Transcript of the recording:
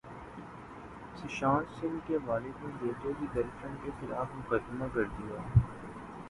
سشانت سنگھ کے والد نے بیٹے کی گرل فرینڈ کےخلاف مقدمہ کردیا